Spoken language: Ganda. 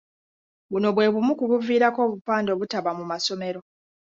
Buno bwe bumu ku biviirako obupande obutaba mu masomero.